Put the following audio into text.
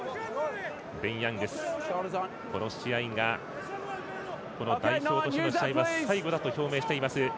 ベン・ヤングスこの試合が代表としての試合が最後だと表明しています。